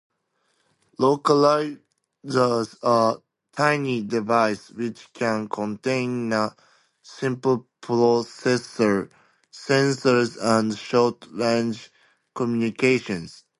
Localizers are tiny devices which can contain a simple processor, sensors, and short-range communications.